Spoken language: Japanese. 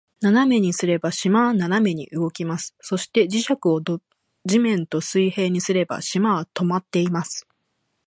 斜めにすれば、島は斜めに動きます。そして、磁石を土面と水平にすれば、島は停まっています。